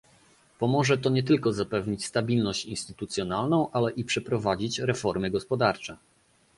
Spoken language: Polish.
Pomoże to nie tylko zapewnić stabilność instytucjonalną, ale i przeprowadzić reformy gospodarcze